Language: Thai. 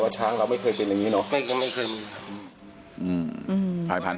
ว่าช้างเราไม่เคยเป็นอย่างนี้หรอไม่เคยมีถ่ายผ่าน